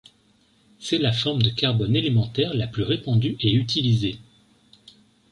C'est la forme de carbone élémentaire la plus répandue et utilisée.